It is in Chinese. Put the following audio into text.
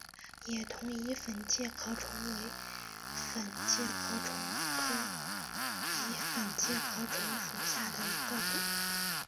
野桐蚁粉介壳虫为粉介壳虫科蚁粉介壳虫属下的一个种。